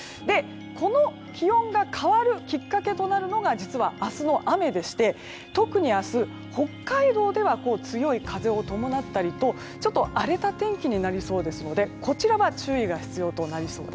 この気温が変わるきっかけとなるのが実は、明日の雨でして特に明日、北海道では強い風を伴ったりとちょっと荒れた天気になりそうですので注意が必要です。